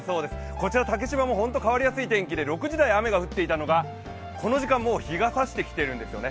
こちら竹芝も本当に変わりやすい天気で、６時台に雨が降っていたのがこの時間、もう日がさしてきているんですね。